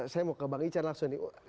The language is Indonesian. saya mau ke bang ican langsung nih